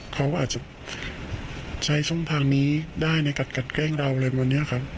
เขาอาจจะใช้ช่วงทางนี้ได้ในกัดกัดแกล้งเราอะไรบ้างเนี่ยครับ